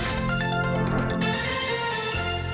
ส่วนต่างกระโบนการ